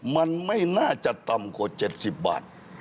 มันไม่น่าจะต่ำกว่า๗๐บาท